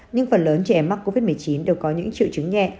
nhưng phần lớn trẻ em mắc covid một mươi chín đều có những triệu chứng nhẹ